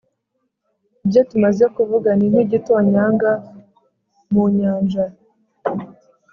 ibyo tumaze kuvuga ni nk’igitonyangamu nyanja.